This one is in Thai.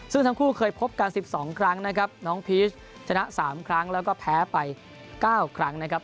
ซึ่งทั้งคู่เคยพบกัน๑๒ครั้งนะครับน้องพีชชนะ๓ครั้งแล้วก็แพ้ไป๙ครั้งนะครับ